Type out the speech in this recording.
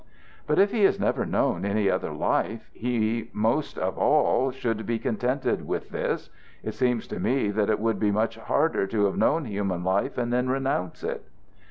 "But if he has never known any other life, he, most of all, should be contented with this. It seems to me that it would be much harder to have known human life and then renounce it."